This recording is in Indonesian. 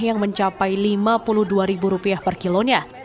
yang mencapai rp lima puluh dua per kilonya